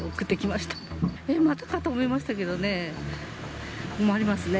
またかと思いましたけどね。